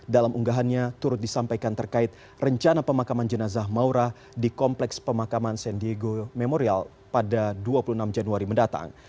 dalam unggahannya turut disampaikan terkait rencana pemakaman jenazah maura di kompleks pemakaman san diego memorial pada dua puluh enam januari mendatang